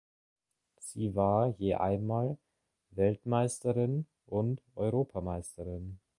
Sie war je einmal Weltmeisterin und Europameisterin.